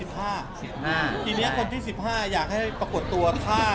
ทีนี้คนที่๑๕อยากให้ปรากฏตัวฆ่า